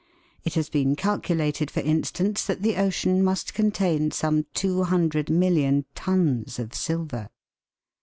It has been calculated, for instance, that the ocean must contain some two hundred million tons of silver.